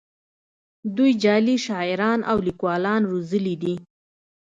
دوی جعلي شاعران او لیکوالان روزلي دي